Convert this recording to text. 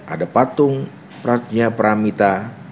ada patung pratnya pramita